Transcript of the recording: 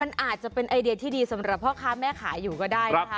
มันอาจจะเป็นไอเดียที่ดีสำหรับพ่อค้าแม่ขายอยู่ก็ได้นะคะ